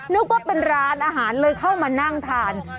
นึกว่าเป็นร้านอาหารเลยเข้ามานั่งทาน